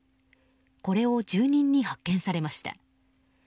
これを住人に発見されました。